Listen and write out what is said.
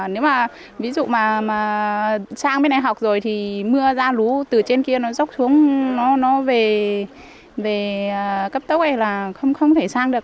nếu mà sang bên này học rồi thì mưa ra lú từ trên kia nó dốc xuống nó về cấp tốc này là không thể sang được